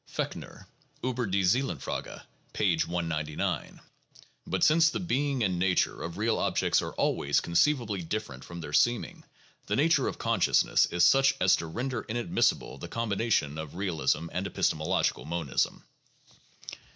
(Fechner, "Ueber die Seelenf rage, " p. 199.) But since the being and nature of real objects are always conceivably different from their seeming, the nature of consciousness is such as to render inadmissible the combination of realism and epistemological monism.